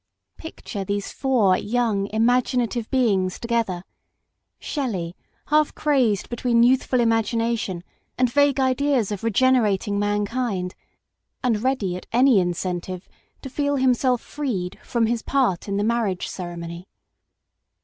Picture these four young imaginative beings together; Shelley, half crazed between youthful imagination and vague ideas of regenerating man kind, and ready at any incentive to feel himself freed from his part in the marriage ceremony.